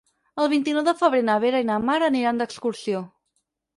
El vint-i-nou de febrer na Vera i na Mar aniran d'excursió.